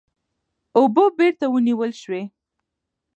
اوبه بېرته ونیول سوې.